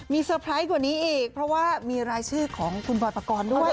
มีเตอร์ไพรส์กว่านี้อีกเพราะว่ามีรายชื่อของคุณบอยปกรณ์ด้วย